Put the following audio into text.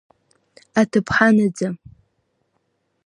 Аҭыԥҳа наӡа…